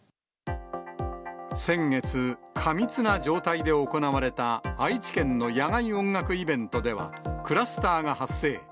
先月、過密な状態で行われた愛知県の野外音楽イベントでは、クラスターが発生。